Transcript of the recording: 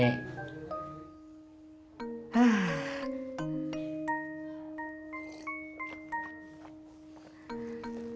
pipi udah mau jalan